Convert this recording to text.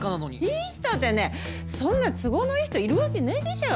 いい人ってねそんな都合のいい人いるわけないでしょ。